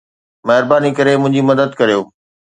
مهرباني ڪري منهنجي مدد ڪريو